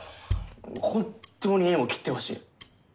本当に縁を切ってほしい。